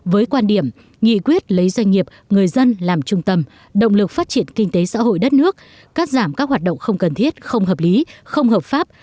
với quan điểm nghị quyết lấy doanh nghiệp người dân làm trung tâm động lực phát triển kinh tế xã hội đất nước cắt giảm các hoạt động không cần thiết không hợp lý không hợp pháp